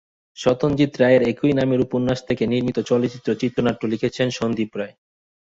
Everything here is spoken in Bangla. সত্যজিৎ রায়ের একই নামের উপন্যাস থেকে নির্মিত চলচ্চিত্রটির চিত্রনাট্য লিখেছেন সন্দীপ রায়।